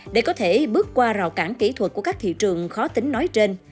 để có thể bước qua rào cản kỹ thuật của các thị trường khó tính nói trên